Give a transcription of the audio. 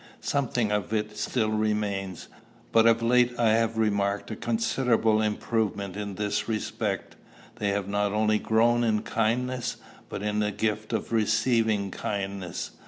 Something of it still remains; but of late I have remarked a considerable improvement in this respect. They have not only grown in kindness, but in the gift of receiving kindness.